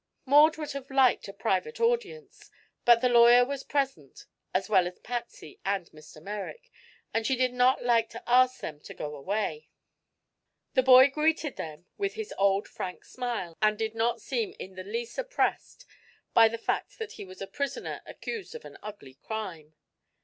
Maud would have liked a private audience, but the lawyer was present as well as Patsy and Mr. Merrick, and she did not like to ask them to go away. The boy greeted them with his old frank smile and did not seem in the least oppressed by the fact that he was a prisoner accused of an ugly crime.